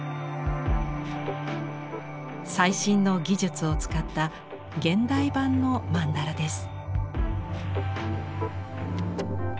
最新の技術を使った現代版の曼荼羅です。